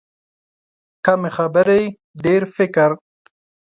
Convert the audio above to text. کمې خبرې، ډېر فکر.